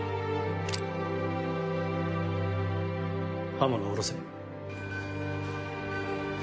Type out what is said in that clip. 刃物を下ろせ。